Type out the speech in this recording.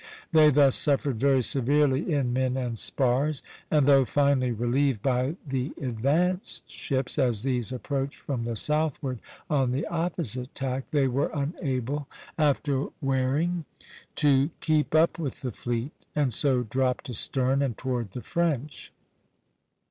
They thus suffered very severely in men and spars; and though finally relieved by the advanced ships, as these approached from the southward on the opposite tack, they were unable, after wearing (B, c', c''), to keep up with the fleet, and so dropped astern and toward the French.